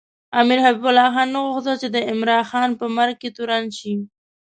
امیر حبیب الله خان نه غوښتل چې د عمراخان په مرګ کې تورن شي.